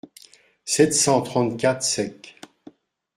sept cent trente-quatre seq.).